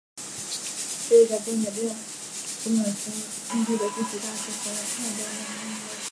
这一改动也令五美分硬币的金属价值和面值比高于三美分硬币。